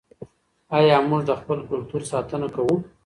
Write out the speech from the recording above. آیا موږ د خپل کلتور ساتنه کوو؟